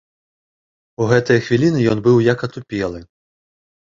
У гэтыя хвіліны ён быў як атупелы.